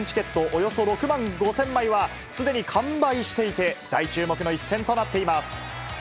およそ６万５０００枚は、すでに完売していて、大注目の一戦となっています。